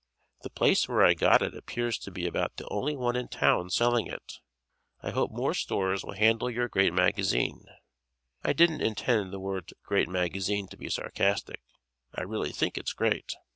The place where I got it appears to be about the only one in town selling it. I hope more stores will handle your great magazine. (I didn't intend the words "great magazine" to be sarcastic. I really think it's great!)